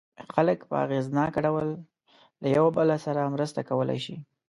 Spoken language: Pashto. خلک په اغېزناک ډول له یو بل سره مرسته کولای شي.